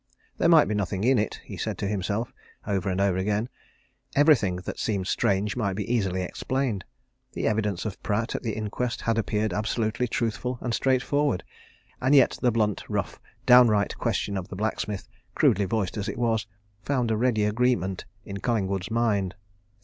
There might be nothing in it, he said to himself, over and over again; everything that seemed strange might be easily explained; the evidence of Pratt at the inquest had appeared absolutely truthful and straightforward, and yet the blunt, rough, downright question of the blacksmith, crudely voiced as it was, found a ready agreement in Collingwood's mind.